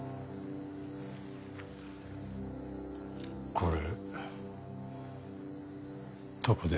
これどこで？